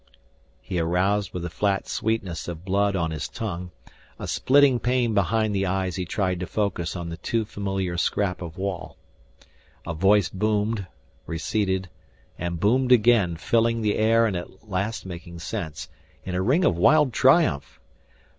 He aroused with the flat sweetness of blood on his tongue, a splitting pain behind the eyes he tried to focus on the too familiar scrap of wall. A voice boomed, receded, and boomed again, filling the air and at last making sense, in it a ring of wild triumph!